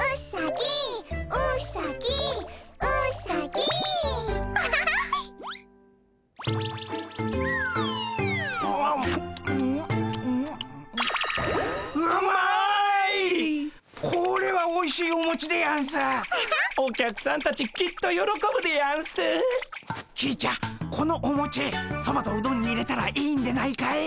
きーちゃんこのおもちそばとうどんに入れたらいいんでないかい？